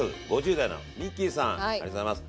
ありがとうございます。